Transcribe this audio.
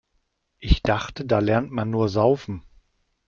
Ich dachte, da lernt man nur Saufen.